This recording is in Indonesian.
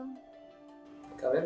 lalu dia bilang